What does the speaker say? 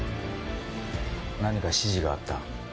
何か指示があった？